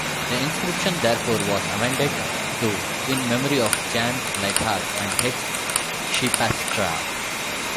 The inscription therefore was amended to "In memory of Jan Ligthart and H. Scheepstra".